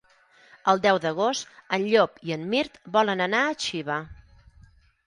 El deu d'agost en Llop i en Mirt volen anar a Xiva.